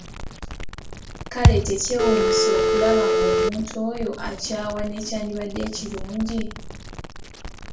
Kale tekyewuunyisa okulaba ng'omuntu oyo akyawa n'ekyandibadde ekirungi!